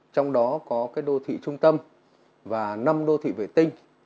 trong đó có đô thị trung tâm và năm đô thị vệ tinh